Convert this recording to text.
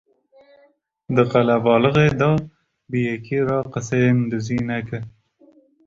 Di qelebalixê de bi yekî re qiseyên dizî neke